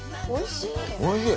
おいしい。